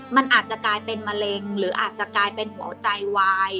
มันอาจจะกลายเป็นมะเร็งหรืออาจจะกลายเป็นหัวใจวาย